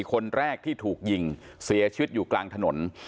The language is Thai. คนแรกที่ถูกยิงเสียชีวิตอยู่กลางถนน